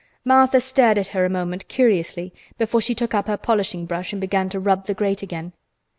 Martha stared at her a moment curiously before she took up her polishing brush and began to rub the grate again.